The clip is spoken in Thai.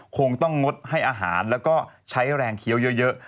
คงต้องงดให้อาหารแล้วก็ใช้แรงเคี้ยวเยอะ